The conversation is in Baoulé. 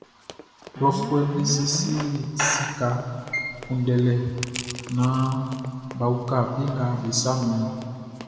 Klɔfuɛʼm be siesie sika kunndɛlɛ naan bʼa uka be nga be sa mianʼn.